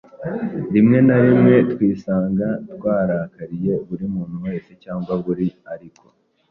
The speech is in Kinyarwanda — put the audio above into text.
rimwe na rimwe twisanga twarakariye buri muntu wese cyangwa buri. ariko